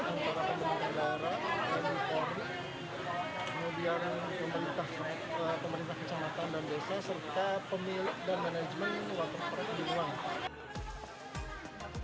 kemudian pemerintah kecamatan dan desa serta pemilik dan manajemen waterpark binuang